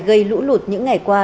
gây lũ lụt những ngày qua